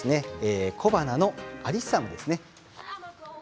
小花のアリッサムですね。